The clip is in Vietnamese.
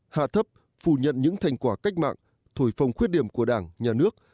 hạ thấp phủ nhận những thành quả cách mạng thổi phồng khuyết điểm của đảng nhà nước